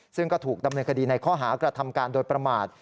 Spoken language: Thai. ซึ่งก็ถูกดำเนินคดีในข้อหากระทำการโดยประมาท